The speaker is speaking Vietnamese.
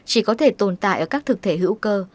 chỉ có thể tồn tại ở các thực thể hữu cơ